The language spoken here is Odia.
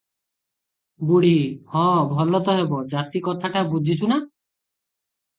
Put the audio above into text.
ବୁଢ଼ୀ – ହଁ ଭଲ ତ ହେବ; ଜାତି କଥାଟା ବୁଝିଛୁ ନା?